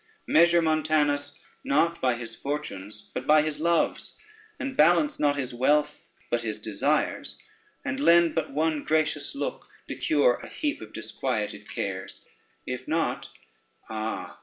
Measure Montanus not by his fortunes but by his loves, and balance not his wealth but his desires, and lend but one gracious look to cure a heap of disquieted cares: if not, ah!